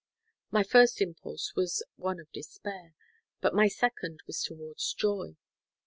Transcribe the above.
My first impulse was one of despair, but my second was towards joy.